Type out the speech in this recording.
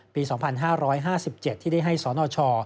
ปี๒๕๕๗ที่ได้ให้สนช